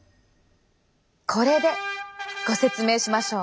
これでご説明しましょう！